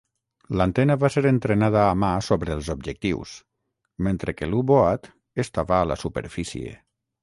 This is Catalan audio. L'antena va ser entrenada a mà sobre els objectius, mentre que l'U-Boat estava a la superfície.